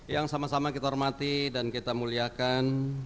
yang sama sama kita hormati dan kita muliakan